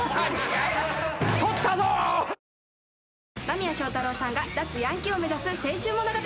間宮祥太朗さんが脱ヤンキーを目指す青春物語。